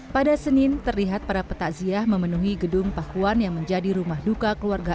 pada senin terlihat para petakziah memenuhi gedung pakuan yang menjadi rumah duka keluarga